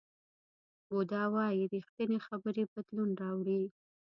بودا وایي ریښتینې خبرې بدلون راوړي.